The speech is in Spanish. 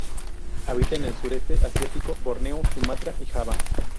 Habita en el Sureste Asiático: Borneo, Sumatra y Java.